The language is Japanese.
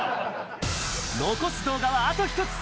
残す動画はあと１つ。